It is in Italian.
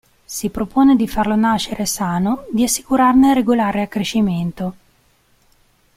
Si propone di farlo nascere sano, di assicurarne il regolare accrescimento.